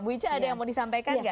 bu ica ada yang mau disampaikan nggak